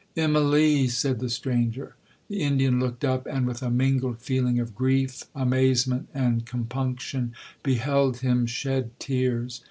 '—'Immalee!' said the stranger. The Indian looked up, and, with a mingled feeling of grief, amazement, and compunction, beheld him shed tears.